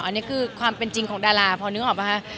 อันนี้คือความเป็นจริงของดาราพอนึกออกป่ะคะ